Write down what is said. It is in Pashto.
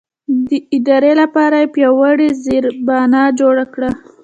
د ادارې لپاره یې پیاوړې زېربنا جوړه کړه.